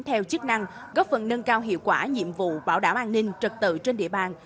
theo chức năng góp phần nâng cao hiệu quả nhiệm vụ bảo đảm an ninh trật tự trên địa bàn